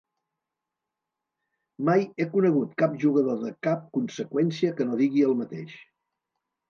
Mai he conegut cap jugador de cap conseqüència que no digui el mateix.